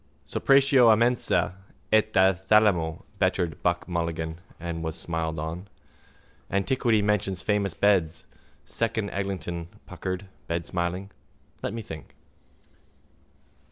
—Separatio a mensa et a thalamo, bettered Buck Mulligan and was smiled on. —Antiquity mentions famous beds, Second Eglinton puckered, bedsmiling. Let me think.